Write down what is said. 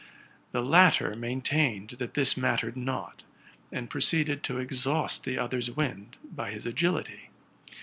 The latter maintained that this mattered not, and proceeded to exhaust the other's wind by his agility.